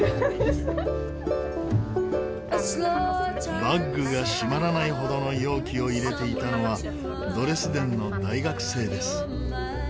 バッグが閉まらないほどの容器を入れていたのはドレスデンの大学生です。